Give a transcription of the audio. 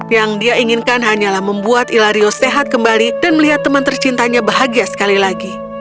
yang dia inginkan hanyalah membuat ilario sehat kembali dan melihat teman tercintanya bahagia sekali lagi